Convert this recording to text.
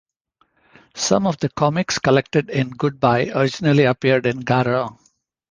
Some of the comics collected in "Good-Bye" originally appeared in "Garo".